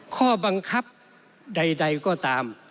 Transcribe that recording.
ข้อบังคับใดก็ตาม